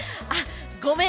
ごめん！